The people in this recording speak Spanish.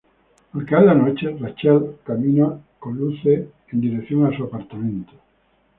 Al caer la noche, Rachel camina con Luce en dirección a su apartamento.